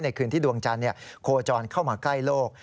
คืนที่ดวงจันทร์โคจรเข้ามาใกล้โลก